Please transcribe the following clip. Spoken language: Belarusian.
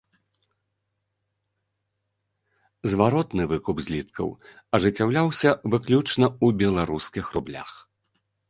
Зваротны выкуп зліткаў ажыццяўляўся выключна ў беларускіх рублях.